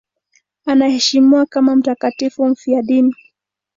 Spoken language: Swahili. Anaheshimiwa kama mtakatifu mfiadini.